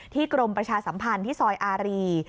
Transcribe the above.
กรมประชาสัมพันธ์ที่ซอยอารี